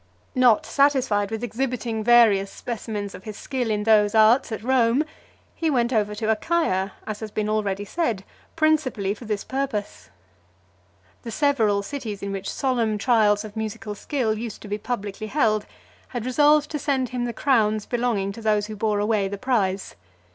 Not satisfied with exhibiting various specimens of his skill in those arts at Rome, he went over to Achaia, as has been already said, principally for this purpose. The several cities, in which solemn trials of musical skill used to be publicly held, had resolved to send him the crowns belonging to those who bore away the prize.